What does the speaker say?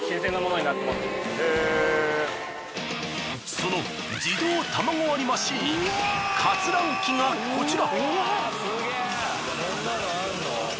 その自動卵割りマシーン割卵機がこちら。